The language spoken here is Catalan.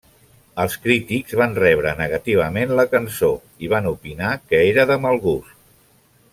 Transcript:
Els crítics van rebre negativament la cançó i van opinar que era de mal gust.